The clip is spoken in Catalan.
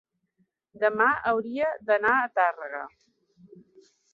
demà hauria d'anar a Tàrrega.